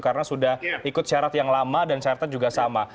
karena sudah ikut syarat yang lama dan syaratnya juga sama